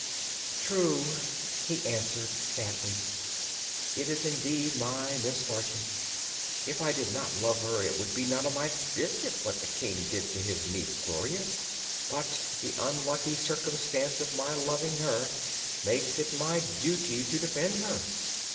"True," he answered sadly, "it is indeed my misfortune. If I did not love her, it would be none of my business what the King did to his niece Gloria; but the unlucky circumstance of my loving her makes it my duty to defend her."